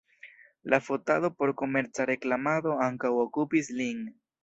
La fotado por komerca reklamado ankaŭ okupis lin.